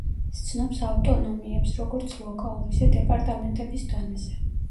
სცნობს ავტონომიებს, როგორც ლოკალურ, ისე დეპარტამენტების დონეზე.